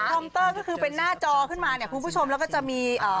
อมเตอร์ก็คือเป็นหน้าจอขึ้นมาเนี่ยคุณผู้ชมแล้วก็จะมีเอ่อ